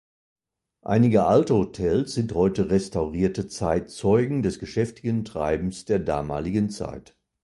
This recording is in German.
Einige alte Hotels sind heute restaurierte Zeitzeugen des geschäftigen Treibens der damaligen Zeit.